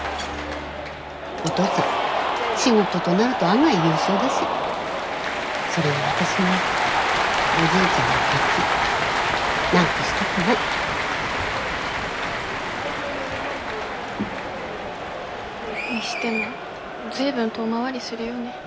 おとうさん仕事となると案外優秀だしそれに私もおじいちゃんのカキなくしたくない。にしても随分遠回りするよね。